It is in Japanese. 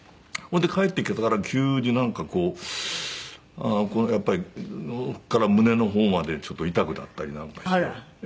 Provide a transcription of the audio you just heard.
それで帰ってきてから急になんかこうやっぱり首から胸の方までちょっと痛くなったりなんかして。